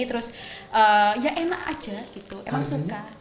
terus ya enak aja gitu emang suka